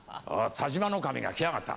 但馬守が来やがった。